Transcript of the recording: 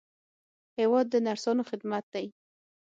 هېواد د نرسانو خدمت دی.